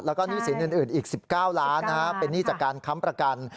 แล้วก็หนี้สินอื่นอีก๑๙ล้านเป็นหนี้จากการค้ำประกัน